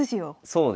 そうです。